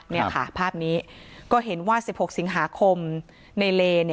นี่ค่ะภาพนี้ก็เห็นว่า๑๖สิงหาคมในเล